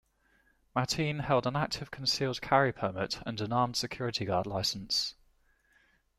Mateen held an active concealed carry permit and an armed security guard licence.